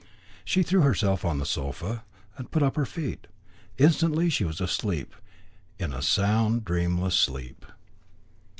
She threw herself on the sofa and put up her feet. Instantly she was asleep in a sound, dreamless sleep.